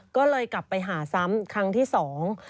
ก็เลยกลับไปหาซ้ำครั้งที่สอง